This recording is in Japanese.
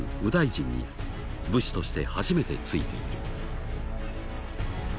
「右大臣」に武士として初めて就いている。